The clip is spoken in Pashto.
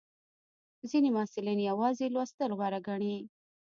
ځینې محصلین یوازې لوستل غوره ګڼي.